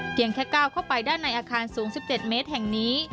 แค่ก้าวเข้าไปด้านในอาคารสูง๑๗เมตรแห่งนี้